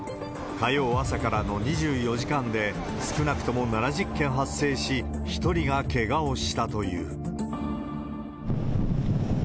火曜朝からの２４時間で少なくとも７０件発生し、１人がけがをしたという。